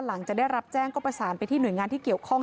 หลังจากได้รับแจ้งก็ประสานไปที่หน่วยงานที่เกี่ยวข้อง